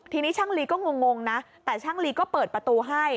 ทีนี้ช่างลีก็งงนะแต่ช่างลีก็เปิดประตูให้